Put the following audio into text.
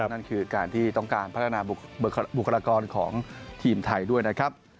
นั่นคือการที่ต้องการพัฒนาบุคลากรของทีมไทยด้วยนะครับ